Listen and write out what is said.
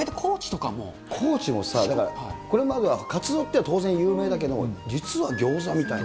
高知もさ、だから、これまではカツオっていうのは、当然有名だけど、ギョーザ。